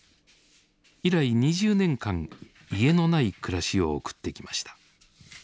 以来２０年間家のない暮らしを送ってきました。